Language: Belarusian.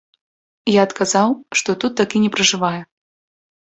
Я адказаў, што тут такі не пражывае.